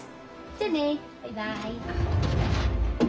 じゃあねバイバイ。